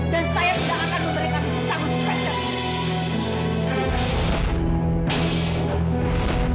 dan saya tidak akan memberikan kesanggutan tersebut